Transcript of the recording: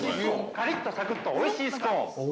カリッとサクッと、おいしいスコーン。